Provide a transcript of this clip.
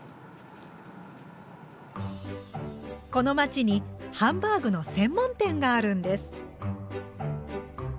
この街にハンバーグの専門店があるんです。